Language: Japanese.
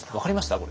これ。